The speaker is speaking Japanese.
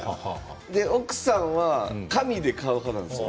奥さんは紙で買う派なんです。